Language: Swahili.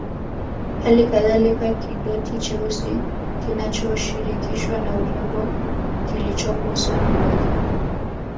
Halikadhalika kidoti cheusi kinachoshirikishwa na urembo kilichopo usoni mwake